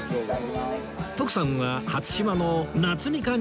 徳さんは初島の夏みかんチューハイ